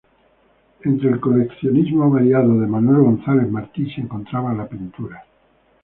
Entre el coleccionismo variado de Manuel González Martí se encontraba la pintura.